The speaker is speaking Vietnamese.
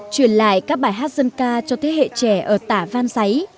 chuyển lại các bài hát dân ca cho thế hệ trẻ ở tả van giấy